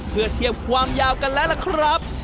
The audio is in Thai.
เพื่อเทียบความยาวกันแล้วล่ะครับ